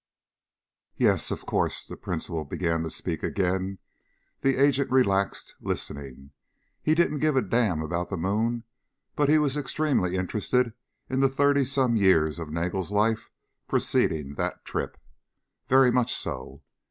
"Yes, of course." The principal began to speak again. The agent relaxed, listening. He didn't give a damn about the moon but he was extremely interested in the thirty some years of Nagel's life preceding that trip. Very much so.